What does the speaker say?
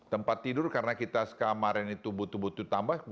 tempat tidur karena kita skamarin itu butuh butuh tambah